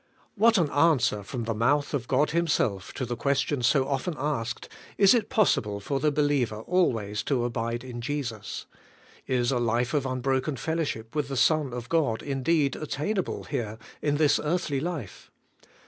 ' What an answer from the mouth of God Himself to the question so often asked : Is it possible for the believer always to abide in Jesus? Is a life of un broken fellowship with the Son of God indeed attain able here in this earthly life?